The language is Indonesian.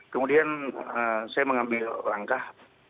kemudian saya mengambil langkah